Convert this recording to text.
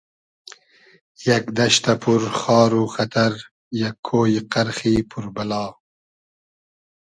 یئگ دئشتۂ پور خار و خئتئر یئگ کۉیی قئرخی پور بئلا